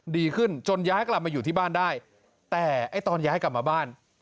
ดีขึ้นจนย้ายกลับมาอยู่ที่บ้านได้แต่ไอ้ตอนย้ายกลับมาบ้าน